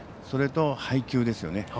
それと配球ですね。